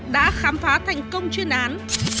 đã khám phá thành công chuyên án